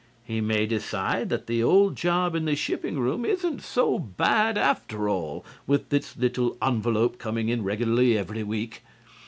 He may decide that the old job in the shipping room isn't so bad after all, with its little envelope coming in regularly every week.